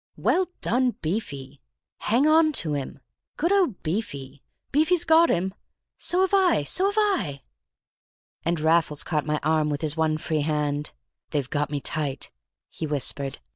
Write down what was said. "Well done, Beefy!" "Hang on to him!" "Good old Beefy!" "Beefy's got him!" "So have I—so have I!" And Raffles caught my arm with his one free hand. "They've got me tight," he whispered.